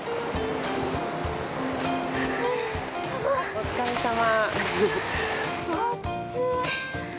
お疲れさま。